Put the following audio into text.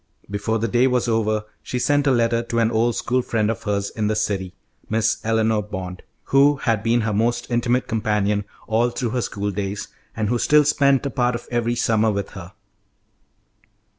Before the day was over she sent a letter to an old school friend of hers in the city, Miss Eleanor Bond, who had been her most intimate companion all through her school days, and who still spent a part of every summer with her.